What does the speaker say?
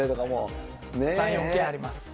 ３、４軒あります。